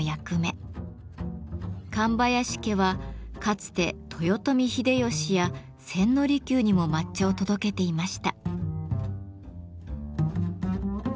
上林家はかつて豊臣秀吉や千利休にも抹茶を届けていました。